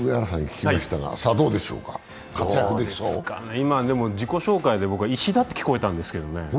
今、自己紹介で僕は「イシダ」と聞こえたんですけどね。